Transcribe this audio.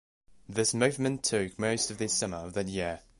This movement took most of the summer of that year.